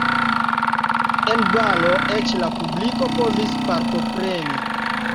En balo eĉ la publiko povis partopreni.